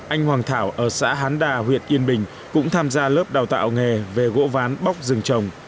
anh hoàng thảo ở xã hán đà huyện yên bình cũng tham gia lớp đào tạo nghề về gỗ ván bóc rừng trồng